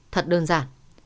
thật đơn giản